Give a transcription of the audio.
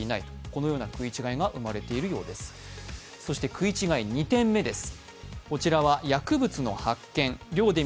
食い違い２点目です。